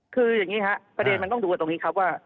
คืออย่างนี้ครับประเด็นมันต้องดูกันตรงนี้ครับว่า